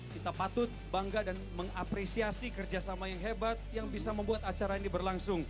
kita patut bangga dan mengapresiasi kerjasama yang hebat yang bisa membuat acara ini berlangsung